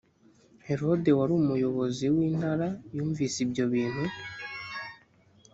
herode wari umuyobozi w’intara yumvise ibyo bintu